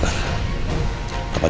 kamu terang aja